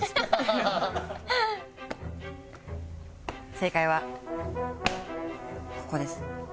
正解はここです。